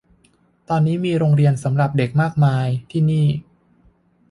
ตอนนี้มีโรงเรียนสำหรับเด็กมากมายที่นี้